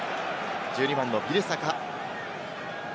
１２番のビラセカ。